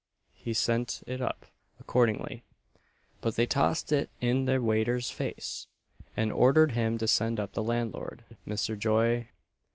He sent it up accordingly; but they tossed it in the waiter's face, and ordered him to send up the landlord, Mr. Joy.